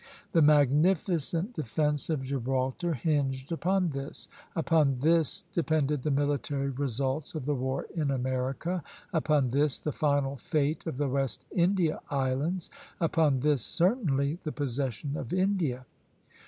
The magnificent defence of Gibraltar hinged upon this; upon this depended the military results of the war in America; upon this the final fate of the West India Islands; upon this certainly the possession of India.